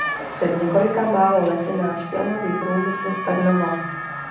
Před několika málo lety náš filmový průmysl stagnoval.